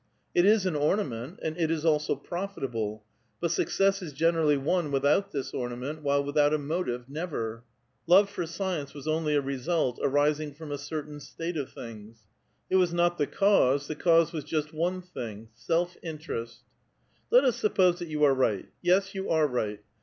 It is an ornament, and it is also profitable; but success is generally won without this ornament, while without a motive, never ! Love for science was only a result arising from a certain state of things ; it was not its cause; the cause was just one thing, — self interest" [yui yoda, profit]. "• Let us suppose that you are right; yes, you are right!